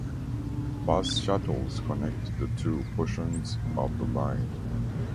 Bus shuttles connect the two portions of the line.